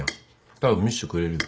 たぶん見せてくれるよ。